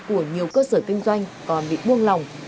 của kinh doanh còn bị buông lòng